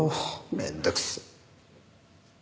めんどくせえ。